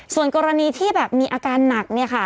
ส่วนกรณีที่แบบมีอาการหนักเนี่ยค่ะ